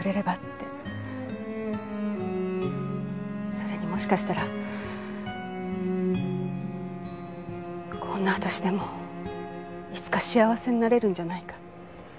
それにもしかしたらこんな私でもいつか幸せになれるんじゃないか。